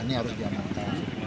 ini arus diamata